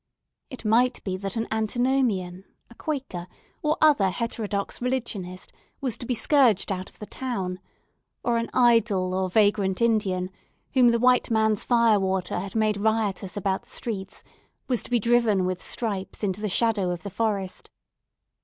It might be that an Antinomian, a Quaker, or other heterodox religionist, was to be scourged out of the town, or an idle or vagrant Indian, whom the white man's firewater had made riotous about the streets, was to be driven with stripes into the shadow of the forest.